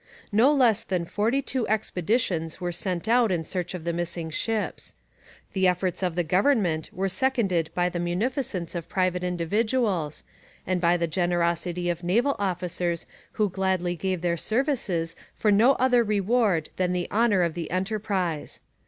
No less than forty two expeditions were sent out in search of the missing ships. The efforts of the government were seconded by the munificence of private individuals, and by the generosity of naval officers who gladly gave their services for no other reward than the honour of the enterprise.